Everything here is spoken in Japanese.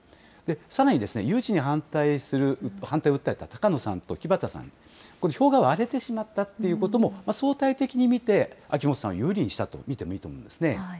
さらにですね、誘致に反対する、反対を訴えた高野さんと木幡さん、これ、票が割れてしまったっていうことも、相対的に見て、秋元さんを有利にしたと見てもいいと思うんですね。